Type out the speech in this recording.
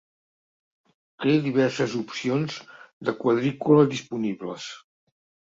Té diverses opcions de quadrícula disponibles.